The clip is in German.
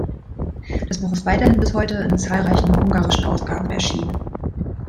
Das Buch ist weiterhin bis heute in zahlreichen ungarischen Ausgaben erschienen.